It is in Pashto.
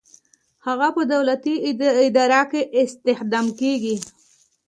هغه په دولتي اداره کې استخدام کیږي.